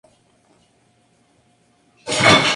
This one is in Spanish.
El bazo es localizado y luego desconectado de sus arterias.